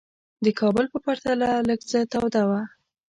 د کابل په پرتله لږ څه توده وه.